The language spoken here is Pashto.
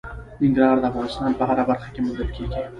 ننګرهار د افغانستان په هره برخه کې موندل کېږي.